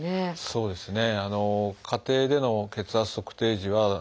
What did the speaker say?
そうですね。